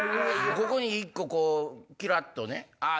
ここに１個キラっとね。